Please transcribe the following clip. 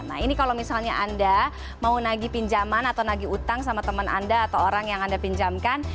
nah ini kalau misalnya anda mau nagih pinjaman atau nagi utang sama teman anda atau orang yang anda pinjamkan